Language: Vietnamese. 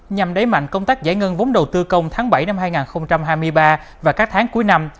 nhằm đẩy mạnh công tác giải ngân vốn đầu tư công tháng bảy năm hai nghìn hai mươi ba và các tháng cuối năm